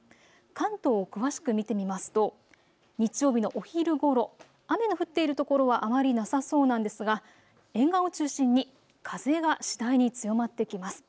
関東を詳しく見てみますと日曜日のお昼ごろ雨の降っているところはあまりなさそうなんですが、沿岸を中心に風が次第に強まってきます。